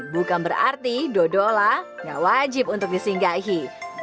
bukan berarti dodola gak wajib untuk disinggahi